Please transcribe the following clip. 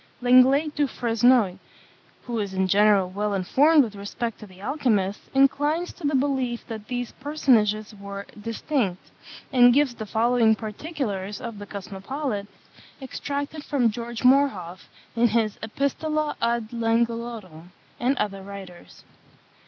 Lenglet du Fresnoy, who is in general well informed with respect to the alchymists, inclines to the belief that these personages were distinct; and gives the following particulars of the Cosmopolite, extracted from George Morhoff, in his Epistola ad Langelottum, and other writers.